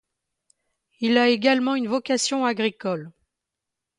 Il a également une vocation agricole.